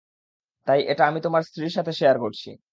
তাই এটা আমি তোমার স্ত্রীর সাথে শেয়ার করছি।